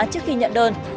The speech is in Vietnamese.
trước khi nhận đơn